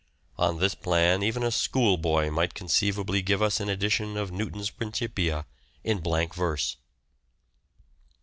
On this plan even a school boy might conceivably give us an edition of Newton's " Principia " in blank verse.